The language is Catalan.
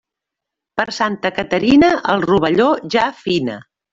Per Santa Caterina, el rovelló ja fina.